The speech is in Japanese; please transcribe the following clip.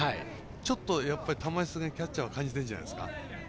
ちょっと球質、キャッチャー感じてるんじゃないですか。